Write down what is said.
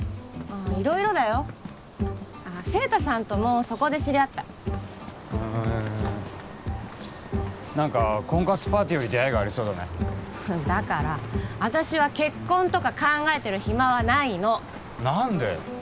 色々だよ晴太さんともそこで知り合ったへえ何か婚活パーティーより出会いがありそうだねだから私は結婚とか考えてる暇はないの何で？